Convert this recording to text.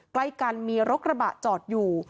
ใกล้กันมีรถกระบะจอดอยู่